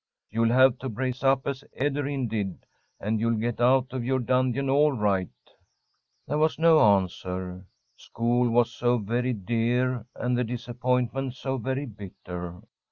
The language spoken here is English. You'll have to brace up as Ederyn did, and you'll get out of your dungeon all right." There was no answer. School was so very dear, and the disappointment so very bitter.